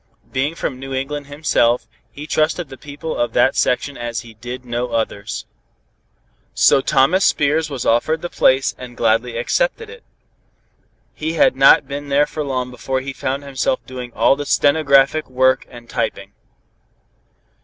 Being from New England himself, he trusted the people of that section as he did no others. So Thomas Spears was offered the place and gladly accepted it. He had not been there long before he found himself doing all the stenographic work and typing.